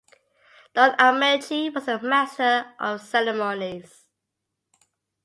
Don Ameche was the master of ceremonies.